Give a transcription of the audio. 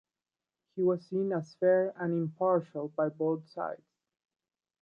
He was seen as fair and impartial by both sides.